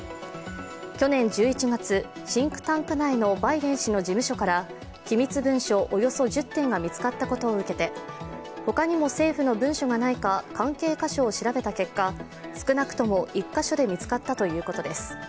去年１１月、シンクタンク内のバイデン氏の事務所から機密文書およそ１０点が見つかったことを受けて他にも政府の文書がないか関係箇所を調べた結果少なくとも１か所で見つかったということです。